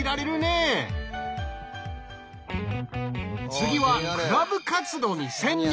次はクラブ活動に潜入。